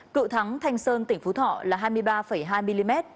cựu thắng thanh sơn tỉnh phú thọ là hai mươi ba hai mm